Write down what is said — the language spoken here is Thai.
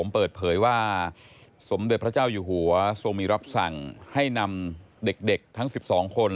เปิดเผยว่าสมเด็จพระเจ้าอยู่หัวทรงมีรับสั่งให้นำเด็กทั้ง๑๒คน